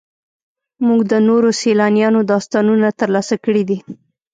موږ د نورو سیلانیانو داستانونه ترلاسه کړي دي.